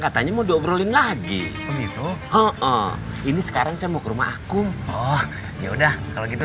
katanya mau diobrolin lagi ini sekarang saya mau ke rumah aku oh yaudah kalau gitu